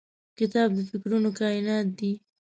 کتاب د فکرونو کائنات دی.